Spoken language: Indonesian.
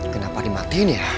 kenapa dimatiin ya